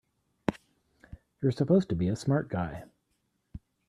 You're supposed to be a smart guy!